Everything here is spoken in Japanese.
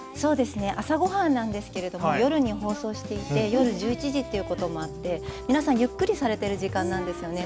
朝ごはんなんですけれども夜に放送していて、夜１１時ということもあって皆さんゆっくりされている時間なんですよね。